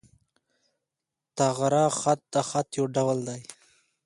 طغرا خط، د خط یو ډول دﺉ.